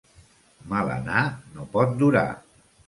Mal anar no pot durar.